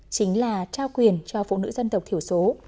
chính là trao quyền cho phụ nữ dân tộc thiểu số